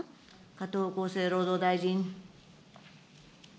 加藤厚生労働大臣。